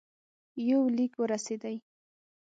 یو لیک ورسېدی.